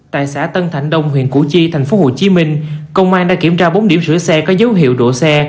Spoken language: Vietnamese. tại xã tân thạnh đông huyện củ chi tp hcm công an đã kiểm tra bốn điểm sửa xe có dấu hiệu đổ xe